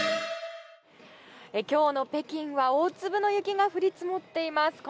今日の北京は大粒の雪が降り積もっています。